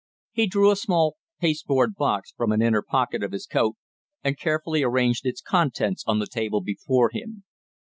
He drew a small pasteboard box from an inner pocket of his coat and carefully arranged its contents on the table before him.